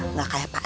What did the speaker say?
nggak kayak pak rt